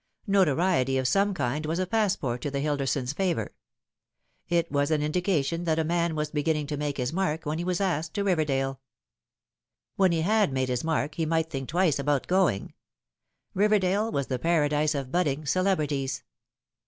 Notoriety of some kind was a passport to the Hillersdons' favour. It was an indication that a man waa beginning to make his mark when he was asked to Riverdale. "When he had made his mark he might think twice about going. Riverdale was the paradise of budding celebrities.